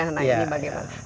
nah ini bagaimana